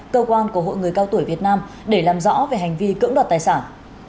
cơ quan của hội người cao tuổi việt nam để làm rõ về hành vi cưỡng đoạt tài sản